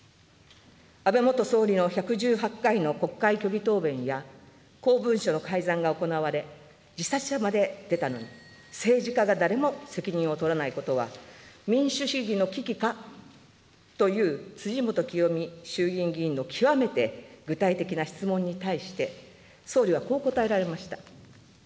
安倍元総理の１１８回の国会虚偽答弁や、公文書の改ざんが行われ、自殺者まで出たのに、政治家が誰も責任を取らないことは、民主主義の危機かという辻元清美衆議院議員の極めて具体的な質問に対して、総理はこう答えられました。